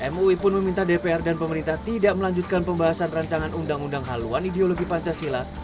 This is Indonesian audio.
mui pun meminta dpr dan pemerintah tidak melanjutkan pembahasan rancangan undang undang haluan ideologi pancasila